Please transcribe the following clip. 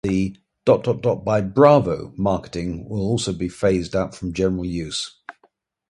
The "...by Bravo" marketing tag will also be phased out from general use.